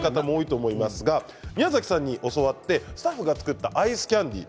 宮崎さんに教わってスタッフが作ったアイスキャンディー